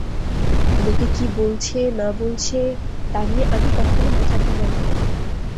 লোকে কি বলছে না-বলছে, তা নিয়ে আমি কখনো মাথা ঘামাই না।